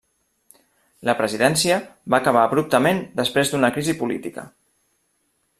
La presidència va acabar abruptament després d'una crisi política.